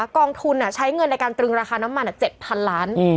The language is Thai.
กองทุนใช้เงินในการตรึงราคาน้ำมัน๗๐๐ล้าน